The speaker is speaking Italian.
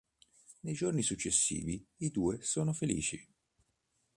Nei giorni successivi i due sono felici.